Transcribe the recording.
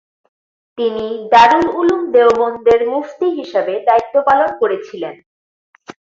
তিনি দারুল উলুম দেওবন্দের মুফতি হিসাবে দায়িত্ব পালন করেছিলেন।